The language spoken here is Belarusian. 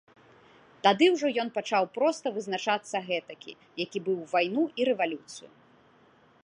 Тады ўжо ён пачаў проста вызначацца гэтакі, які быў у вайну і рэвалюцыю.